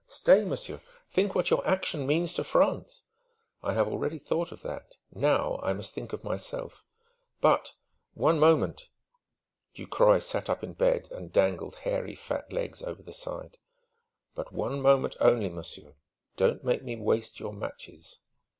Stay, monsieur! Think what your action means to France!" "I have already thought of that. Now I must think of myself." "But one moment!" Ducroy sat up in bed and dangled hairy fat legs over the side. "But one moment only, monsieur. Don't make me waste your matches!"